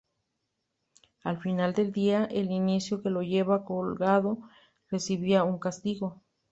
Al final del día, el niño que lo llevaba colgado recibía un castigo.